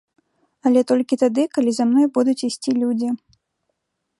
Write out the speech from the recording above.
Але толькі тады, калі за мной будуць ісці людзі.